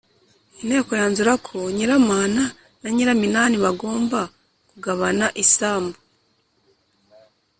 inteko yanzura ko nyiramana na nyiraminani bagomba kugabana isambu